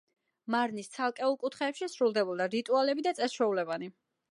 მარნის ცალკეულ კუთხეებში სრულდებოდა რიტუალები და წეს-ჩვეულებანი.